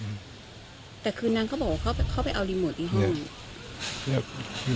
อืมแต่คืนนั้นเขาบอกว่าเข้าไปเอารีโมทที่ห้อง